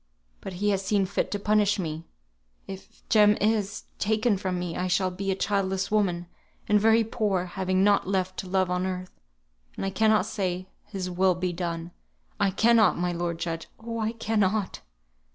But He has seen fit to punish me. If Jem is if Jem is taken from me, I shall be a childless woman; and very poor, having nought left to love on earth, and I cannot say 'His will be done.' I cannot, my lord judge, oh, I cannot."